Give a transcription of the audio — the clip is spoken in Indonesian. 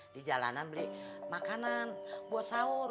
di jalanan beli makanan buat sahur